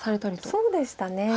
そうでしたね。